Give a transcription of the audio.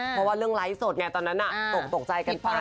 เพราะว่าเรื่องไลฟ์สดไงตอนนั้นตกตกใจกันไป